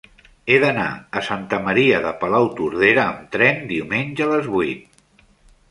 He d'anar a Santa Maria de Palautordera amb tren diumenge a les vuit.